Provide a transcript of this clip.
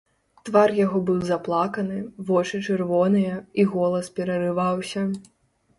Твар яго быў заплаканы, вочы чырвоныя, і голас перарываўся.